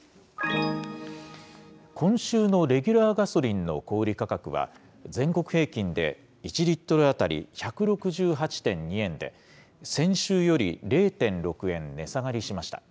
今週のレギュラーガソリンの小売り価格は、全国平均で１リットル当たり１６８．２円で、先週より０．６円値下がりしました。